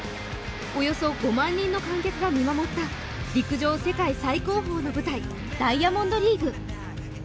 およそ５万人の観客が見守った陸上世界最高峰の舞台、ダイヤモンドリーグ。